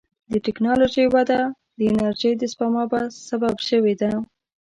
د ټکنالوجۍ وده د انرژۍ د سپما سبب شوې ده.